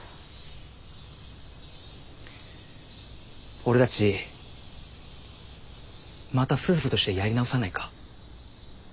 俺たちまた夫婦としてやり直さないか？